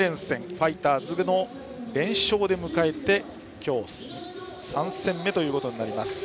ファイターズの連勝で迎えて今日が３戦目となります。